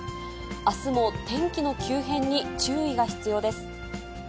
あすも天気の急変に注意が必要です。